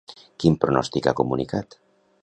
Quin pronòstic ha comunicat?